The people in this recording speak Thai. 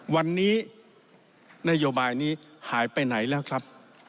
วันนี้นโยบายนี้หายไปไหนแล้วครับ